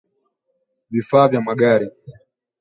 vifaa vya magari